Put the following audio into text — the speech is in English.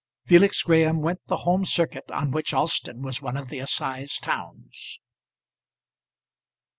Felix Graham went the Home Circuit on which Alston was one of the assize towns.